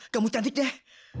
kamu cantik deh